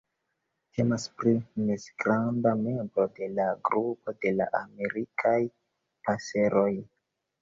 Temas pri mezgranda membro de la grupo de la Amerikaj paseroj.